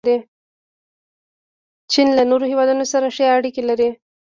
چین له نورو هیوادونو سره ښې اړیکې لري.